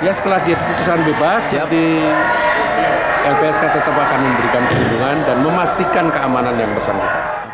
ya setelah dia keputusan bebas ya lpsk tetap akan memberikan perlindungan dan memastikan keamanan yang bersangkutan